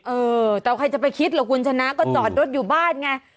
เออแต่ใครจะไปคิดหรอกคุณชนะก็จอดรถอยู่บ้านไง